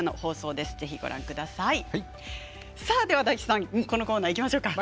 では大吉さん、このコーナーいきましょうか。